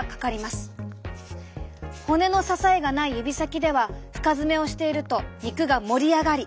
骨の支えがない指先では深爪をしていると肉が盛り上がり